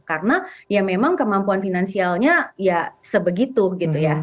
karena ya memang kemampuan finansialnya ya sebegitu gitu ya